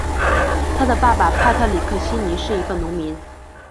他的爸爸帕特里克希尼是一个农民。